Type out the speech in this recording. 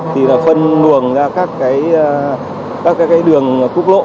thì là phân luồng ra các cái đường cúp lộ